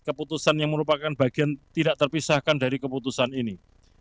keputusan yang merupakan bagian tidak terpisahkan dari keputusan ini